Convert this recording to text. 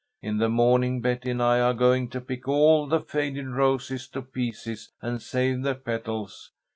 In the morning Betty and I are going to pick all the faded roses to pieces and save the petals.